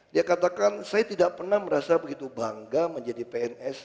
dia katakan saya tidak pernah merasa begitu bangga menjadi pns